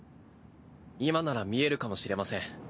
今なら視えるかもしれません。